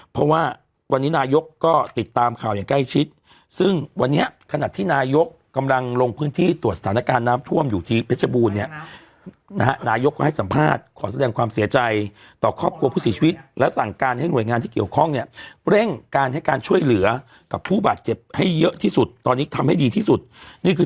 เพราะว่าวันนี้นายกก็ติดตามข่าวอย่างใกล้ชิดซึ่งวันนี้ขณะที่นายกกำลังลงพื้นที่ตรวจสถานการณ์น้ำท่วมอยู่ที่เพชรบูรณ์เนี่ยนะฮะนายกก็ให้สัมภาษณ์ขอแสดงความเสียใจต่อครอบครัวผู้เสียชีวิตและสั่งการให้หน่วยงานที่เกี่ยวข้องเนี่ยเร่งการให้การช่วยเหลือกับผู้บาดเจ็บให้เยอะที่สุดตอนนี้ทำให้ดีที่สุดนี่คือ